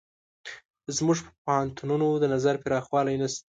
زموږ په پوهنتونونو د نظر پراخوالی نشته.